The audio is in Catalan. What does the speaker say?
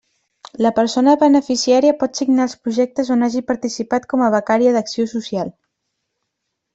La persona beneficiària pot signar els projectes on hagi participat com a becària d'acció social.